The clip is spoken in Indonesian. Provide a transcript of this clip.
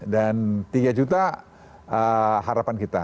dan tiga juta harapan kita